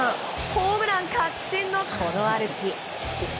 ホームラン確信の歩き。